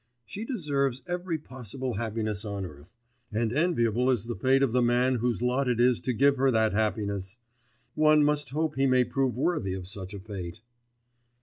She deserves every possible happiness on earth, and enviable is the fate of the man whose lot it is to give her that happiness! One must hope he may prove worthy of such a fate.